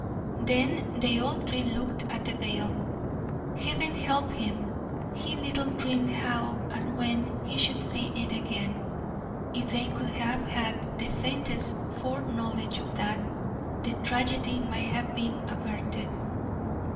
Then they all three looked at the veil. Heaven help him! he little dreamed how and when he should see it again. If they could have had the faintest foreknowledge of that, the tragedy might have been averted.